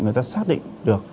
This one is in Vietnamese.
người ta xác định được